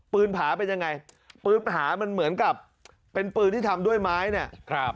ผาเป็นยังไงปืนผามันเหมือนกับเป็นปืนที่ทำด้วยไม้เนี่ยครับ